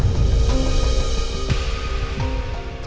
bagaimana kejadian kejadian yang menurut anda